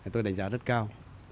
tôi đánh giá rất cao